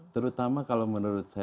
terutama kalau menurut